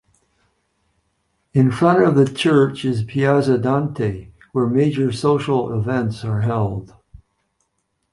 In front of the church is Piazza Dante where major social events are held.